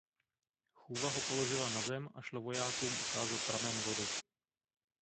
Chůva ho položila na zem a šla vojákům ukázat pramen vody.